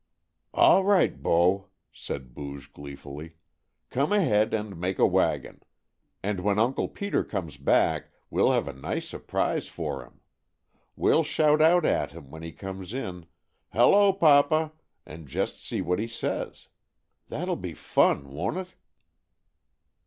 "All right, bo!" said Booge gleefully. "Come ahead and make a wagon. And when Uncle Peter comes back we'll have a nice surprise for him. We'll shout out at him, when he comes in, 'Hello, Papa!' and just see what he says. That'll be fun, won't it?"